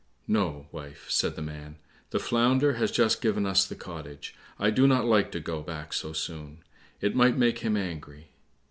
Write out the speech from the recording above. "No, wife," said the man, "the Flounder has just given us the cottage, I do not like to go back so soon, it might make him angry."